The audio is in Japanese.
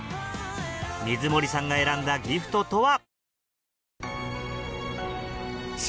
水森さんが選んだギフトとは？